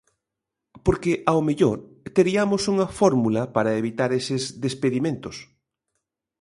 Porque ao mellor teriamos unha fórmula para evitar eses despedimentos.